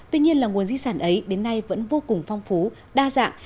tuy nhiên là nguồn di sản ấy đến nay vẫn vô cùng phong phú đa dạng